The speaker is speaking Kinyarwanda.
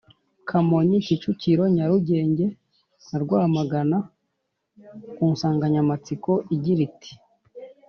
Kamonyi Kicukiro Nyarugenge na Rwamagana ku nsanganyamatsiko igira iti